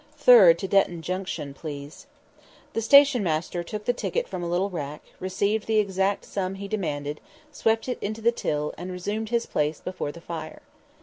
"Third to Detton Junction, please." The station master took the ticket from a little rack, received the exact sum he demanded, swept it into the till, and resumed his place before the fire.